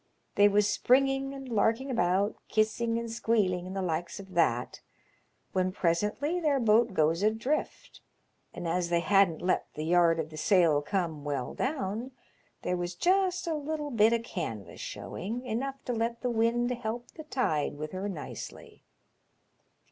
They was springing and larking about, kissing and squealing and the likes of that, when presently their boat goes adrift, and as they hadn't lut the yard of the sail come well down, there was just a little bit o' canvas showing, enough to let the wind help the tide with her nicely.